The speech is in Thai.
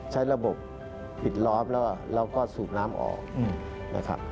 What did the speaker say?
ใช้ระบบปิดล้อมแล้วเราก็สูบน้ำออกนะครับ